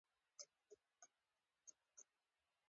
دوی که له هر شي سره جوړجاړی وکړي.